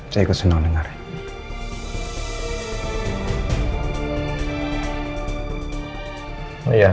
saya juga senang dengarnya